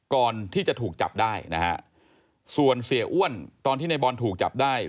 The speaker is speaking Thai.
ก่อนที่จะถูกจับได้นะฮะส่วนเสียอ้วนตอนที่ในบอลถูกจับได้